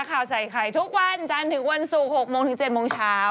ข่าวใส่ไข่ทุกวันจันทร์ถึงวันศุกร์๖โมงถึง๗โมงเช้า